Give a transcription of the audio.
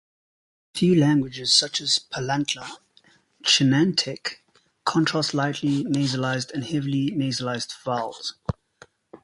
A few languages, such as Palantla Chinantec, contrast lightly nasalized and heavily nasalized vowels.